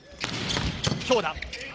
強打！